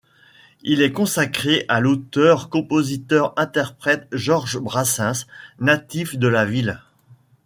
Il est consacré à l’auteur-compositeur-interprète Georges Brassens, natif de la ville.